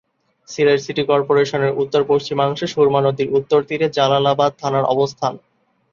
Sylhet city কর্পোরেশনের উত্তর-পশ্চিমাংশে সুরমা নদীর উত্তর তীরে জালালাবাদ থানার অবস্থান।